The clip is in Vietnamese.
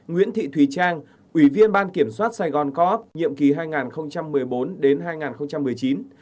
nguyễn thị thùy trang ủy viên ban kiểm soát sài gòn co op nhiệm kỳ hai nghìn một mươi bốn hai nghìn một mươi chín